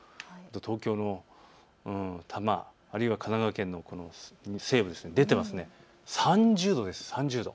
東京の多摩、あるいは神奈川県の西部、出てますので３０度です。